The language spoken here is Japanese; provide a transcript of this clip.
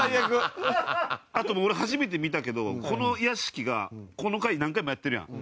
あと俺初めて見たけどこの屋敷がこの回何回もやってるやん。